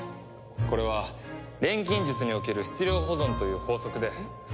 これは錬金術における質量保存という法則で。